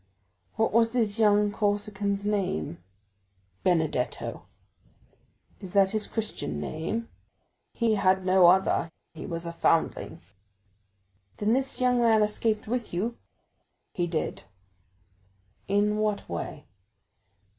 "What was this young Corsican's name?" "Benedetto." "Is that his Christian name?" "He had no other; he was a foundling." "Then this young man escaped with you?" "He did." "In what way?"